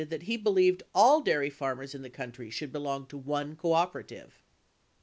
583 that he believed all dairy farmers in the country should belong to one cooperative.